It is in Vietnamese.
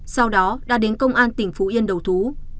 sau đó đã đến công an tỉnh phú yên đầu thú